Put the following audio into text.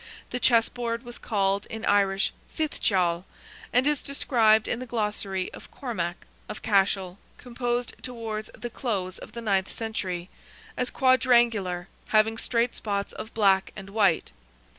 The chess board was called in Irish fithcheall, and is described in the Glossary of Cormac, of Cashel, composed towards the close of the ninth century, as quadrangular, having straight spots of black and white.